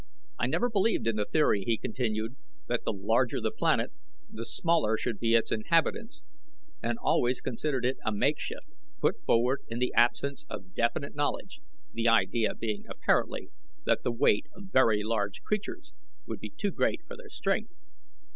"I never believed in the theory," he continued, "that the larger the planet the smaller should be its inhabitants, and always considered it a makeshift, put forward in the absence of definite knowledge, the idea being apparently that the weight of very large creatures would be too great for their strength.